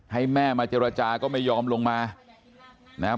ให้แม่มาเจรจาก็ไม่ยอมลงมานะครับ